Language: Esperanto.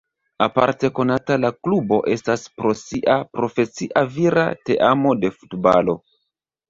Aparte konata la klubo estas pro sia profesia vira teamo de futbalo.